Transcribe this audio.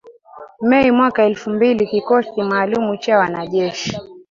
May mwaka elfumbili kikosi maalumu cha wanajeshi